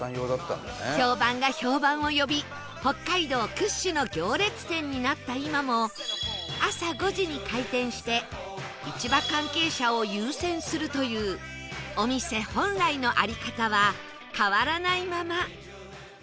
評判が評判を呼び北海道屈指の朝５時に開店して市場関係者を優先するというお店本来の在り方は変わらないまま